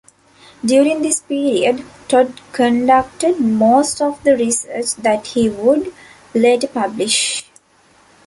During this period Tod conducted most of the research that he would later publish.